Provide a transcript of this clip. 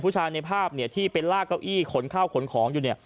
ผู้ชายในภาพที่ไปลากเก้าอี้ขนข้าวขนของอยู่